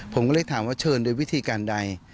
ผมก็เลยถามว่าเชิญโดยวิธีการใด